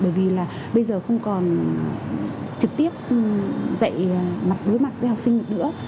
bởi vì là bây giờ không còn trực tiếp dạy mặt đối mặt với học sinh nữa